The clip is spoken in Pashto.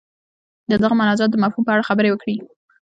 د دغه مناجات د مفهوم په اړه خبرې وکړي.